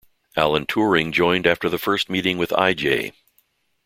Alan Turing joined after the first meeting with I. J.